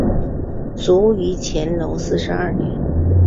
卒于乾隆四十二年。